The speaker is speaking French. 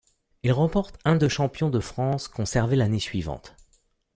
Il remporte un de champion de France, conservé l'année suivante.